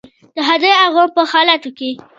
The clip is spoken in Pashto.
د ښادۍ او غم په حالاتو کې.